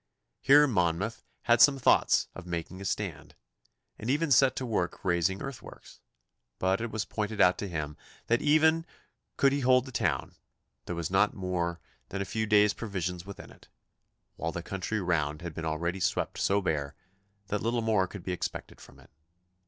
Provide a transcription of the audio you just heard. Here Monmouth had some thoughts of making a stand, and even set to work raising earthworks, but it was pointed out to him that, even could he hold the town, there was not more than a few days' provisions within it, while the country round had been already swept so bare that little more could be expected from it.